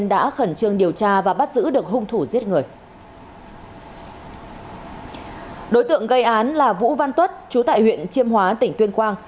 đối tượng gây án là vũ văn tuất chú tại huyện chiêm hóa tỉnh tuyên quang